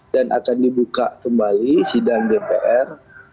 dan akan dibuka kembali sidang dpr